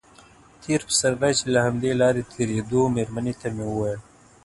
تېر پسرلی چې له همدې لارې تېرېدو مېرمنې ته مې ویل.